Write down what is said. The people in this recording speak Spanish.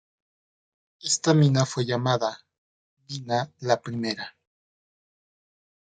Esta mina fue llamada "Mina la Primera".